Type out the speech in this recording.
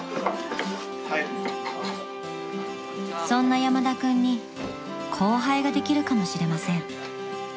［そんな山田君に後輩ができるかもしれません］